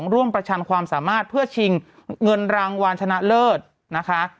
ร่วมประชันความสามารถเพื่อชิงเงินรางวัลชนะเลิศนะคะ